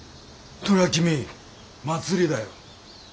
それは君祭りだよ。